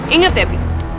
ingat ya bi